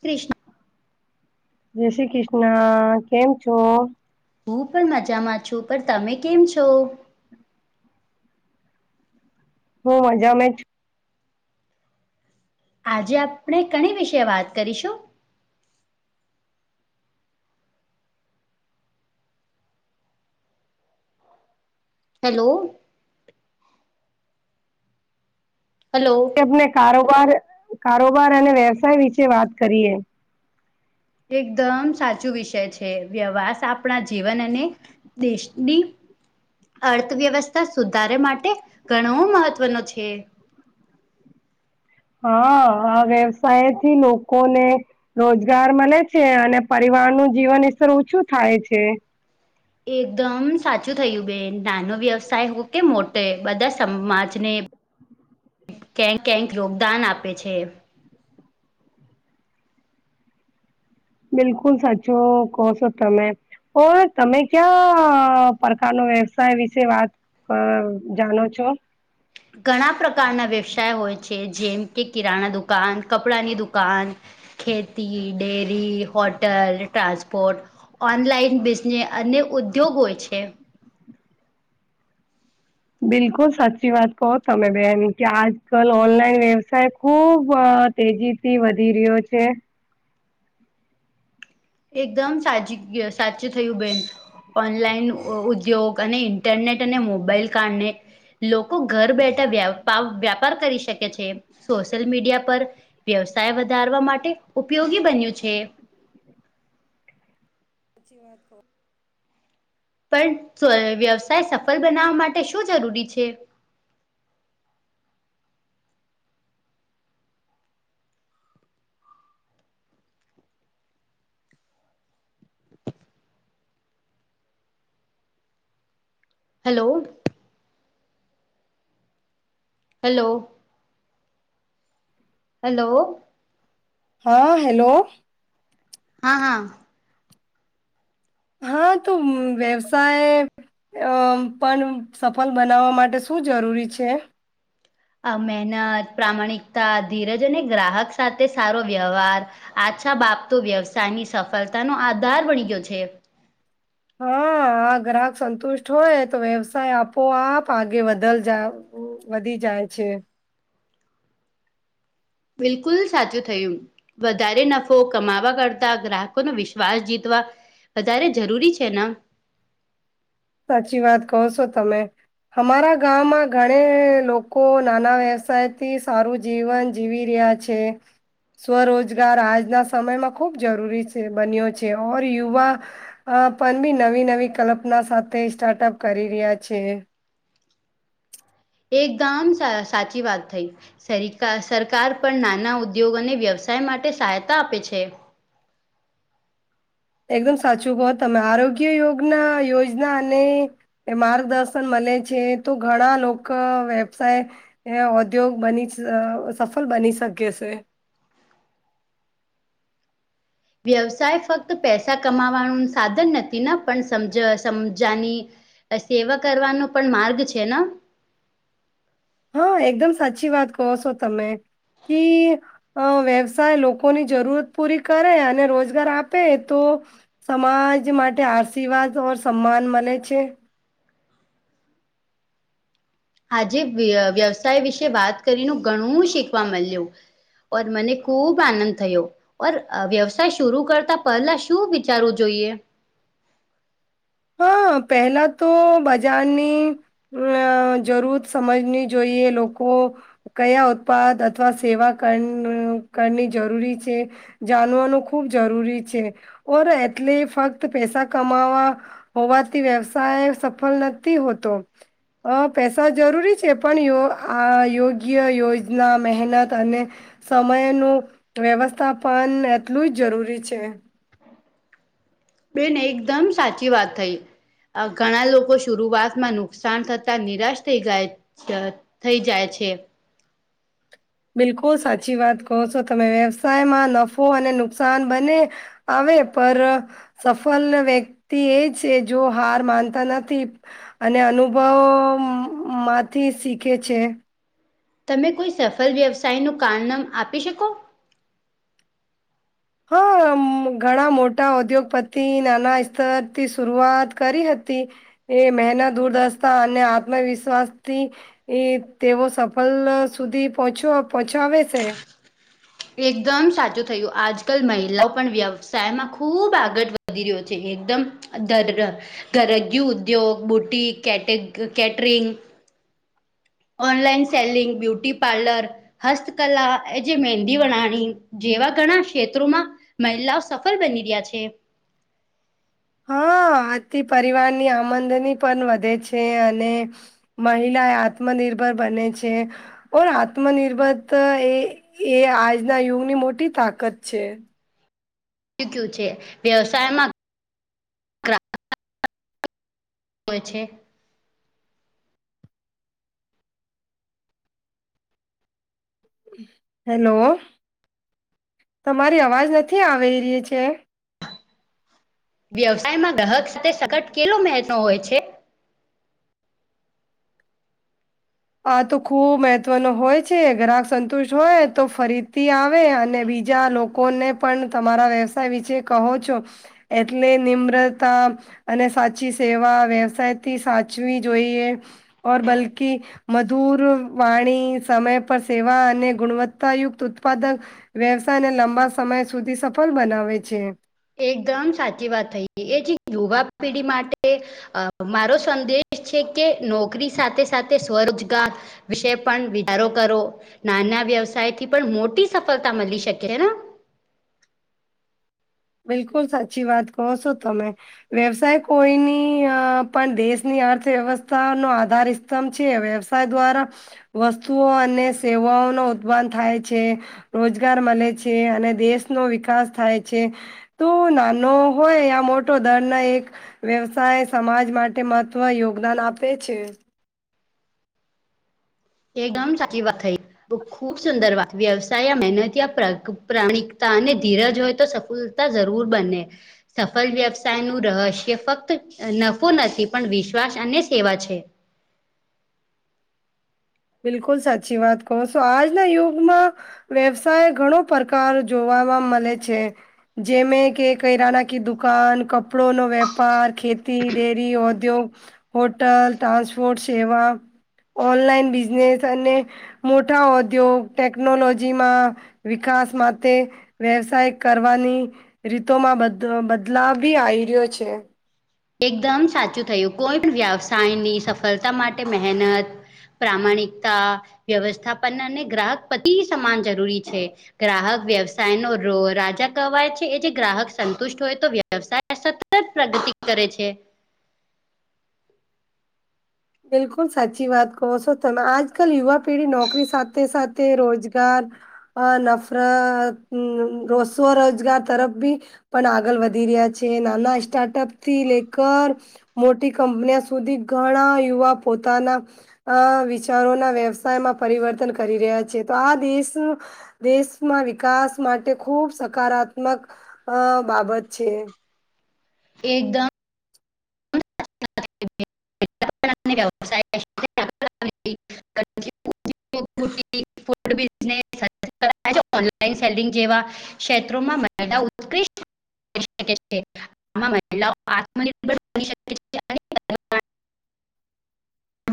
કૃષ્ણ. જય શ્રી કૃષ્ણ કેમ છો? હું પણ મજામાં છું પણ તમે કેમ છો? હું મજા માં છુ. આજે આપણે કણી વિશે વાત કરીશું? હેલો. હલો. હું કારોબાર કારોબાર અને વ્યવસાય વિશે વાત કરીએ. એકદમ સાચું વિષય છે વ્યહસ આપણા જીવન અને દેશની. અર્થવ્યવસ્થા સુધારે માટે ઘણો મહત્વનો છે. હા આ વ્યવસાયથી લોકોને રોજગાર મળે છે અને પરિવાર નું જીવન સ્તર ઊંચું થાય છે. એકદમ સાચું થયું બેન નાનો વ્યવસાય હો કે મોટે બધા સમાજને [inaudible] કઈક કઈક યોગદાન આપે છે. બિલકુલ સાચો કોસો તમે ઓ તમે ક્યા પ્રકારનો વ્યવસાય વિશે વાત અ જાણો છો? ઘણા પ્રકારના વ્યવસાય હોય છે જેમ કે કિરાણા દુકાન કપડાની દુકાન ખેતી dairy hotel transport online business અને ઉદ્યોગો છે. બિલકુલ સાચી વાત કહો તમે બેન કે આજકાલ ઓનલાઈન વ્યવસાય ખુબ તેજી થી વધી રહ્યો છે. એકદમ સાચી સાચું થયું બેન. ઓનલાઈન ઉદ્યોગ અને ઇન્ટરનેટ અને મોબાઈલ કારણે લોકો ઘર બેઠા વ્યાપ વ્યાપાર કરી શકે છે સોશિયલ મીડિયા પર વ્યવસાય વધારવા માટે ઉપયોગી બન્યું છે. સાચી વાત કહો. પણ વ્યવસાય સફળ બનાવવા માટે શું જરૂરી છે. [inaudible] હાલો. હલો. હલો. હા હેલો. હા હા હા તો વ્યવસાય પણ સફળ બનાવવા માટે શું જરૂરી છે આ મહેનત પ્રામાણિકતા ધીરજ અને ગ્રાહક સાથે સારો વ્યવહાર આ્છા બાપ તો વ્યવસાયની સફળતા નો આધાર બની ગયો છે હા આ ગ્રાહક સંતુષ્ટ હોય તો વ્યવસાય આપોઆપ આગે બદલ જાય વધી જાય છે બિલકુલ સાચું થયું વધારે નફો કમાવા કરતા ગ્રાહકો ન વિશ્વાસ જીતવા વધારે જરૂરી છે ને સાચી વાત કહો છો તમે અમારા ગામમાં ઘણે લોકો નાના વ્યવસાય થી સારું જીવન જીવી રહ્યા છે છે સ્વરોજગાર આજના સમયમાં ખૂબ જરૂરી છે બન્યો છે ઓર યુવા અ પણન બી નવી નવી કલ્પના સાથે સ્ટાર્ટઅપ કરી રહ્યા છે એકદમ સાચી વાત થઈ સર સરકાર પણ નાના ઉદ્યોગોને વ્યવસાય માટે સહાયતા આપે છે એકદમ સાચું કહ તમે આરોગ્ય યોગના યોજના અને એ માર્ગદર્શન મળે છે તો ઘણા લોકો વ્યવસાય એ ઔદ્યોગ બની સફળ બની શકે છે વ્યવસાય ફક્ત પૈસા કમાવાનું સાધન નથી પણ સમજ સમજાની સેવા કરવાનો પણ માર્ગ છે ને હા એકદમ સાચી વાત કહો છો તમે કે અ વ્યવસાય લોકોની જરૂરત પૂરી કરે અને રોજગાર આપે તો સમાજ માટે આશીર્વાદ ઓર સન્માન મળે છે આજે વ્યવસાય વિશે વાત કરીને ઘણું શીખવા મળ્યું ઔર મને ખૂબ આનંદ થયો ઓર વ્યવસાય શરુ કરતા પહેલા શું વિચારવું જોઈએ હા પહેલા તો બજારની અમ જરૂર સમજની જોઈએ લોકો કયા ઉત્પાદ અથવા સેવા કરની જરૂરી છે જાણવાનું ખુબ જરૂરી છે ઓર એટલે ફક્ત પેસા કમાવા હોવાથી વ્યવસાય સફળ નથી હોતો પૈસા જરૂરી છે પણયો આ યોગ્ય યોજના મહેનત અને સમયનું વ્યવસ્થાપન એટલું જ જરૂરી છે બેન એકદમ સાચી વાત થઈ ઘણા લોકો શરઆતમાં નુકસાન થતા નિરાશ થઈ ગયા થઈ જાય છે બિલકુલ સાચી વાત કહો છો તમે વ્યવસાયમાં નફો અને નુકસાન બને આવે પર સફલ વ્યક્તિ એ છે જો હાર માનતા નથી અને અનુભવ માંથી શીખે છે તમે કોઈ સફળ વ્યવસાયનું કારણમ આપી શકો હા ઘણા મોટા ઉદ્યોગપતિ નાના સ્તરથી શરઆત કરી હતી એ મહેનત દુર્દશા અને આત્મવિશ્વાસથી એ તેઓ સફલ સુધી પહચ પહોચાવે છે એકદમ સાચું થયું આજકાલ મહિલાઓ પણ વ્યવસાયમાં ખુબ આગળ વધ વધી રહ્યો છે, એકદમ દર ઘરગુ ઉદ્યોગ, boutique, catering. Online selling, beauty parlour. હસ્તકલા, એ જે મહેંદી, વણાણી જેવા ઘણા ક્ષેત્રોમાં મહિલાઓ સફળ બની રહ્યા છે. હા, આથી પરિવારની આમદની પણ વધે છે, અને મહિલા આત્મનિર્ભર બને છે. ઓર આત્મનિર્ભર એ આજના યુગની મોટી તાકાત છે. છે, વ્યવસાયમાં ગ્રાહક હોય છે. હેલો, તમારી અવાજ નથી આવી રહી છે.? વ્યવસાયમાં, ગ્રાહક સાથે સંકટ કેટલો મહત્વ હોય છે? આ તો ખૂબ મહત્વનો હોય છે. ગ્રાહક સંતુષ્ટ હોય, તો ફરીથી આવે અને બીજા લોકો લોકોને પણ તમારા વ્યવસાય વિશે કહો છો, એટલે નિમ્રતા અને સાચી સેવા વ્યવસાયથી સાચવી જોઈએ, ઓર બલકી મધુર વાણી, સમય પર સેવા અને ગુણવત્તાયુક્ત ઉત્પાદક, વ્યવસાયને લંબા સમય સુધી સફળ બનાવે છે. એકદમ સાચી વાત થઈ ગઈ છે, યુવા પેઢી માટે અ મારો સંદેશ છે કે, નોકરી સાથે સાથે સ્વરોજગાર વિશે પણ વિચારો કરો. નાના વ્યવસાય થી પણ મોટી સફળતા મળી શકે હે ના? બિલકુલ સાચી વાત કહો છો તમે. વ્યવસાય કોઈની અ પણ દેશની અર્થવ્યવસ્થાનો આધારી છે. વ્યવસાય દ્વારા વસ્તુઓ અને સેવાઓ નો ઉત્પન્ન થાય છે. રોજગાર મળે છે, અને દેશનો વિકાસ થાય છે. તો નાનો હોય આ મોટો, દર નો એક વ્યવસાય સમાજ માટે મહત્વ યોગદાન આપે છે. એકદમ સાચી વાત થઈ. ખુબ સુંદર વાત. વ્યવસાય મહેનત, પ્રાણિકતા અને ધીરજ હોય, તો સફળતા તો જરૂર બને. સફલ વ્યવસાય નું રહસ્ય ફક્ત નફો નથી, પણ વિશ્વાસ અને સેવા છે. બિલકુલ સાચી વાત કહો છો. આજના યુગમાં વ્યવસાય ઘણો પ્રકાર જોવાવા મળે છે. જેમે કે કિરાણાકી દુકાન, કપડોનો વેપાર, ખેતી, ડેરી, ઉદ્યોગ. હોટલ, ટ્રાન્સપોર્ટ સેવા, ઓનલાઈન બિઝનેસ અને મોટા ઉદ્યોગ, ટેકનોલોજીમાં વિકાસ માટે વ્યવસાય કરવાની રીતોમાં બદલા બી આવી રહ્યો છે. એકદમ સાચું થયું. કોઈ પણ વ્યવસાયની સફળતા માટે મહેનત પ્રામાણિકતા, વ્યવસ્થાપન અને ગ્રાહક પતિ સમાન જરૂરી છે. ગ્રાહક વ્યવસાય નો રાજા કહેવાય છે. એ જે ગ્રાહક સંતુષ્ટ હોય, તો વ્યવ વ્યવસાય સતત પ્રગતિ કરે છે. બિલકુલ સાચી વાત કહો છો તમે. આજકાલ યુવા પેઢી નોકરી સાથે સાથે રોજગાર અ નફરત રો સ્વરોજગાર તરફ બી, પણ આગળ વધી રહ્યા છે, નાના સ્ટાર્ટઅપ થી લેકર મોટી કંપનિયા સુધી ઘણા યુવા પોતાના અ વિચારોના વ્યવસાયમાં પરિવર્તન કરી રહ્યા છે, તો આ દેશ દેશમાં વિકાસ માટે ખુબ સકારાત્મક અ બાબત છે. એકદમ [unintelligible] [unintelligible] [inaudible] ફૂડ બિઝનેસ. [unintelligible] [inaudible] સેિ જેવા ક્ષેત્રોમાં ઉૃ્ટ [inaudible] કે છે આમાં મહિલાઓ આત્મનિર્ભર [inaudible]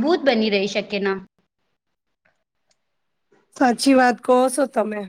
ભૂત બની રહી શકે ન સાચી વાત કો છો તમે